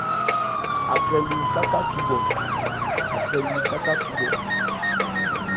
Akrɛ li nsáká thubhɔ.